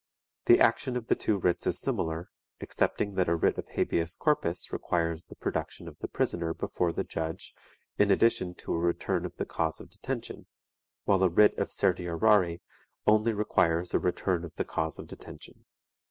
The action of the two writs is similar, excepting that a writ of habeas corpus requires the production of the prisoner before the judge in addition to a return of the cause of detention, while a writ of certiorari only requires a return of the cause of detention.